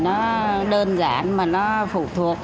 nó đơn giản mà nó phụ thuộc